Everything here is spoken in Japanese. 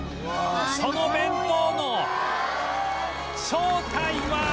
その弁当の正体は！？